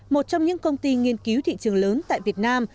một trong những công ty nghiên cứu thị trường lớn tại việt nam